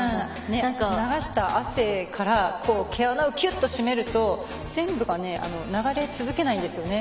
流した汗から毛穴をキュッと閉めると全部が流れないんですよね。